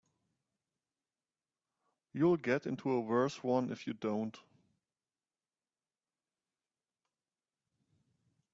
You'll get into a worse one if you don't.